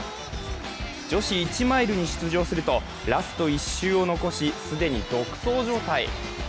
女子１マイルに出場すると、ラスト１周を残し、既に独走状態。